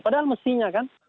padahal mestinya kan